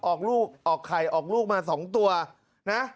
ออกลูกออกไข่ออกลูกมา๒ตัวนะ